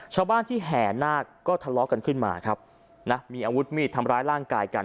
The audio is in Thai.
ชาวบ้านที่แห่นาคก็ทะเลาะกันขึ้นมาครับนะมีอาวุธมีดทำร้ายร่างกายกัน